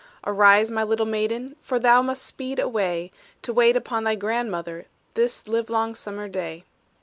"Arise, my little maiden, For thou must speed away, To wait upon thy grandmother This livelong summer day.